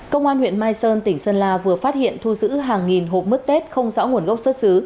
công an huyện mai sơn tỉnh sơn la vừa phát hiện thu giữ hàng nghìn hộp mứt tết không rõ nguồn gốc xuất xứ